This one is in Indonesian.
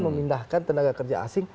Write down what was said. memindahkan tenaga kerja asing